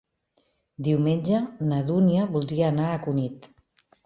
Diumenge na Dúnia voldria anar a Cunit.